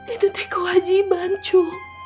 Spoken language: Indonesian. itu tuh kewajiban cu